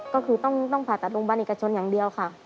ก็คือต้องผ่าตัดโรงพยาบาลเอกชนอย่างเดียวค่ะ